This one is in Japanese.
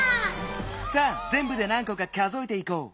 さあぜんぶで何こか数えていこう。